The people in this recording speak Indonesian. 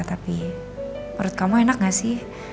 tapi menurut kamu enak gak sih